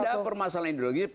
ada permasalah ideologi